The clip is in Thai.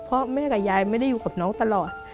เพราะแม่กับยายไม่ได้อยู่กับน้องตลอด